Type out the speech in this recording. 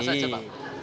apa saja pak